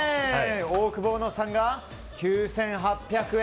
オオクボーノさんが９８００円。